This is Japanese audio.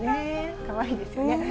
かわいいですよね。